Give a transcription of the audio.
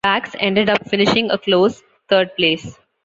Backs ended up finishing a close third place.